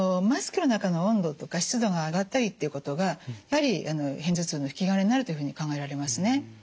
マスクの中の温度とか湿度が上がったりっていうことがやはり片頭痛の引き金になるというふうに考えられますね。